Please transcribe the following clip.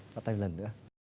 lặp tay một lần nữa